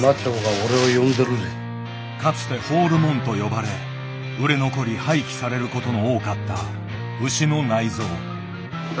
かつて「放るもん」と呼ばれ売れ残り廃棄されることの多かった牛の内臓。